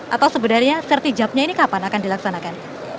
atau sebenarnya sertijabnya ini kapan akan dilaksanakan